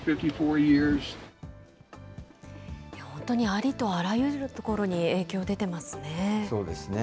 ありとあらゆるところに、影響出てますね。